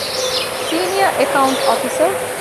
ސީނިއަރ އެކައުންޓް އޮފިސަރ